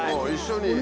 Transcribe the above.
一緒に。